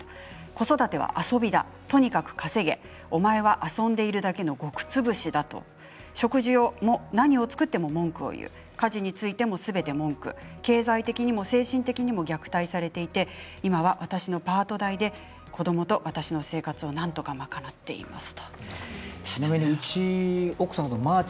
子育ては遊びだ、とにかく稼げお前は遊んでいるだけの穀つぶしだと食事、何を作っても文句を言う家事についてもすべて文句経済的にも精神的にも虐待されていて今は私のパート代で子どもと自分の生活をなんとか賄っています。